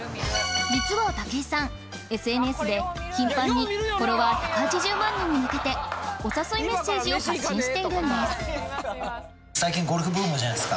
実は武井さんＳＮＳで頻繁にフォロワー１８０万人に向けてお誘いメッセージを発信しているんです